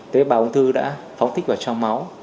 tế bào ung thư đã phóng tích vào trong máu